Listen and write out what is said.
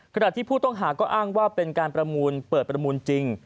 ขณะที่ผู้ต้องหาก็อ้างว่าเป็นการประมูลเปิดประมูลจริง